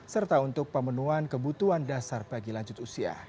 serta untuk pemenuhan kebutuhan dasar bagi lanjut usia